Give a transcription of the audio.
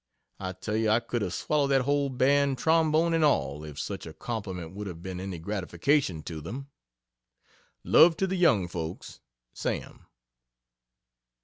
I tell you I could have swallowed that whole band, trombone and all, if such a compliment would have been any gratification to them. Love to the young folks, SAM.